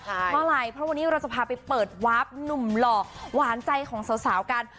เพราะอะไรเพราะวันนี้เราจะพาไปเปิดวาร์ฟหนุ่มหล่อหวานใจของสาวกัน